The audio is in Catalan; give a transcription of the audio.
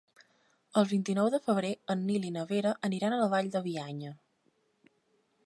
El vint-i-nou de febrer en Nil i na Vera aniran a la Vall de Bianya.